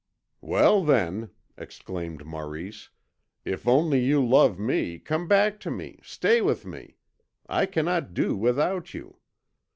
"Well, then," exclaimed Maurice, "if only you love me, come back to me, stay with me. I cannot do without you.